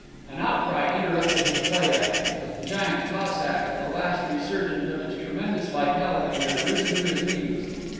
An outcry interrupted his play acting. The giant Cossack, with a last resurgence of his tremendous vitality, had arisen to his knees.